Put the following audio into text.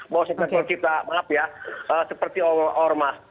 mau setempel kita maaf ya seperti ormas